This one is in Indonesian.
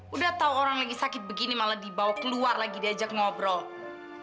udah tau orang lagi sakit begini malah dibawa keluar lagi diajak ngobrol